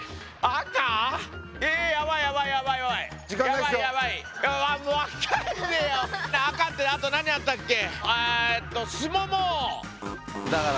赤ってあと何あったっけ。